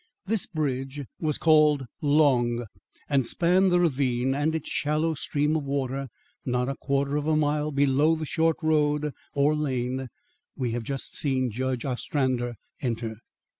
This bridge was called Long, and spanned the ravine and its shallow stream of water not a quarter of a mile below the short road or lane we have just seen Judge Ostrander enter.